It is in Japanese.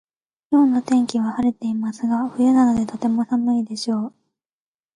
今日の天気は晴れてますが冬なのでとても寒いでしょう